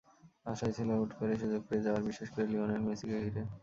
আশায় ছিল হুট করে সুযোগ পেয়ে যাওয়ার, বিশেষ করে লিওনেল মেসিকে ঘিরে।